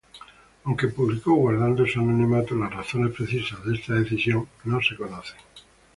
Aunque publicó guardando su anonimato, las razones precisas de esta decisión no se conocen.